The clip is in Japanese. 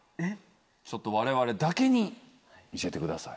ちょっと我々だけに見せてください。